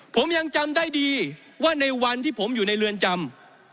ผมยังจำได้ดีว่าในวันที่ผมอยู่ในเรือนจำ